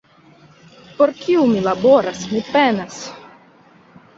Por kiu mi laboras, mi penas?